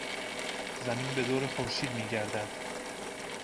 زمین به دور خورشید میگردد.